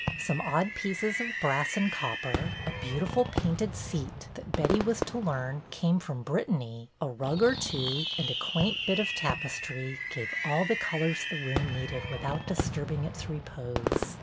Some odd pieces of brass and copper, a beautiful painted seat that, Betty was to learn, came from Brit tany, a rug or two, and a quaint bit of tap estry, gave all the colors the room needed without disturbing its repose.